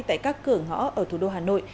tại các cửa ngõ ở thủ đô hà nội